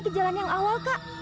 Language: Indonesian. ke jalan yang awal kak